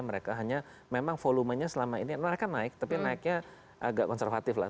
mereka hanya memang volumenya selama ini mereka naik tapi naiknya agak konservatif lah